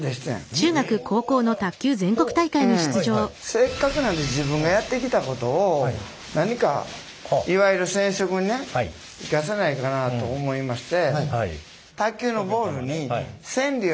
せっかくなんで自分がやってきたことを何かいわゆる染色にね生かせないかなと思いまして。